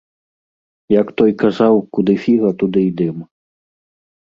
Як той казаў, куды фіга, туды і дым.